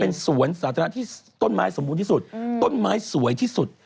เป็นสวนสาธารณะที่ต้นไม้สมบูรณ์ที่สุดต้นไม้สวยที่สุด